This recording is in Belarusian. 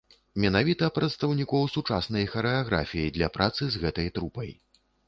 Менавіта прадстаўнікоў сучаснай харэаграфіі для працы з гэтай трупай.